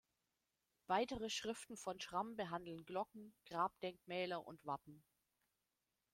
Weitere Schriften von Schramm behandeln Glocken, Grabdenkmäler und Wappen.